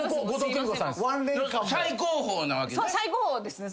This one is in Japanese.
最高峰なわけね。